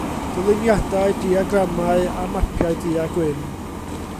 Dyluniadau, diagramau a mapiau du-a-gwyn.